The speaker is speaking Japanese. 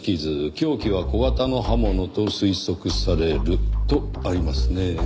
凶器は小型の刃物と推測される」とありますねぇ。